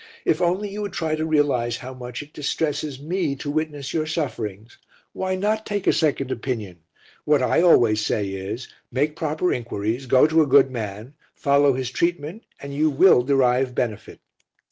If only you would try to realize how much it distresses me to witness your sufferings! Why not take a second opinion? What I always say is: Make proper inquiries, go to a good man, follow his treatment and you will derive benefit."